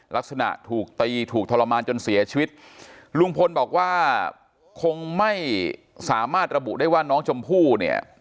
ลักษณะถูกตีถูกทรมานจนเสียชีวิตลุงพลบอกว่าคงไม่สามารถระบุได้ว่าน้องชมพู่เนี่ย